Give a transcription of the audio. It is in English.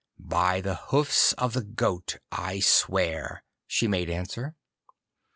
'By the hoofs of the goat I swear it,' she made answer.